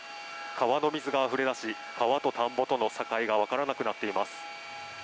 川の水があふれ出し川と田んぼの境がわからなくなっています。